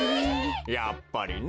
やっぱりね。